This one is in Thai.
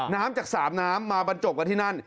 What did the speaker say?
น้ำจากสามน้ำมาบรรจบกันที่นั่น